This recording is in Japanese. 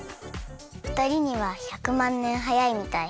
ふたりには１００まんねんはやいみたい。